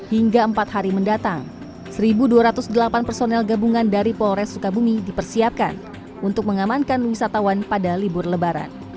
hingga empat hari mendatang satu dua ratus delapan personel gabungan dari polres sukabumi dipersiapkan untuk mengamankan wisatawan pada libur lebaran